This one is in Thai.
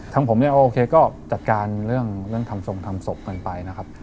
ทั้งผมก็จัดการเรื่องทำทรงทำศพกันไปนะครับ